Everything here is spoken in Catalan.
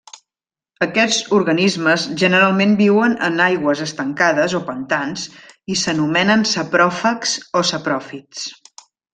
Aquests organismes generalment viuen en aigües estancades o pantans i s'anomenen sapròfags o sapròfits.